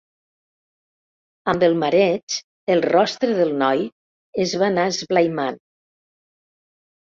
Amb el mareig, el rostre del noi es va anar esblaimant.